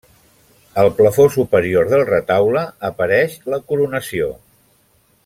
Al plafó superior del retaule apareix la Coronació.